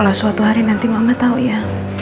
kalau suatu hari nanti mama tahu ya